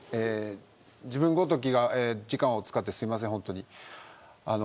自分ごときが時間を使ってすいません、本当に。